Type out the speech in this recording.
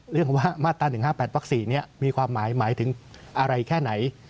เรื่องว่ามาตรา๑๕๘วัก๔มีความหมายหมายถึงอะไรแค่ไหน